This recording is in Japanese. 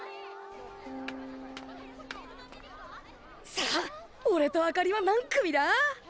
さあおれとあかりは何組だ？